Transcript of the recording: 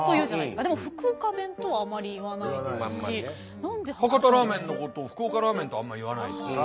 例えば博多ラーメンのことを福岡ラーメンとはあんま言わないですしね。